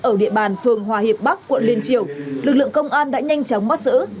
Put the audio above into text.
ở địa bàn phường hòa hiệp bắc quận liên triều lực lượng công an đã nhanh chóng bắt giữ